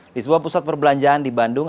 di sebuah pusat perbelanjaan di bandung